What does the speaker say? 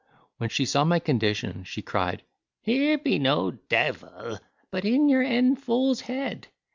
When she saw my condition, she cried, "Here be no devil, but in your en fool's head.